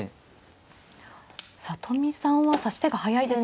里見さんは指し手が速いですね。